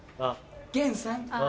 源さん。